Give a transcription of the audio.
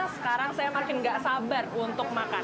sekarang saya makin nggak sabar untuk makan